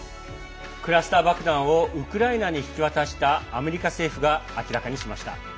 クラスター爆弾をウクライナに引き渡したアメリカ政府が明らかにしました。